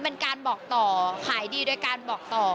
เป็นการบอกต่อขายดีโดยการบอกต่อ